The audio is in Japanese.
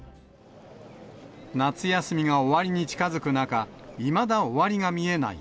夏休みが終わりに近づく中、いまだ終わりが見えない